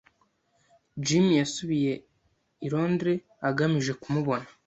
Jim yasubiye i Londres agamije kumubona.